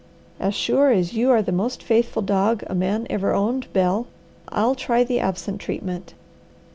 As sure as you are the most faithful dog a man ever owned, Bel, I'll try the absent treatment."